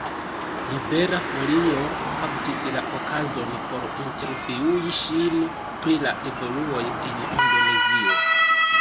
Libera Folio kaptis la okazon por intervjui ŝin pri la evoluoj en Indonezio.